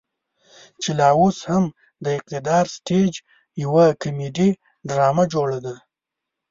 چې لا اوس هم د اقتدار سټيج يوه کميډي ډرامه جوړه ده.